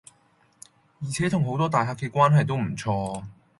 而且同好多大客既關係都唔錯